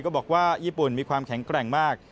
บอกว่าญี่ปุ่นมีความแข็งแกร่งมาก